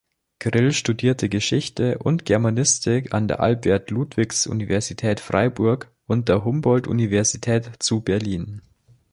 Grill studierte Geschichte und Germanistik an der Albert-Ludwigs-Universität Freiburg und der Humboldt-Universität zu Berlin.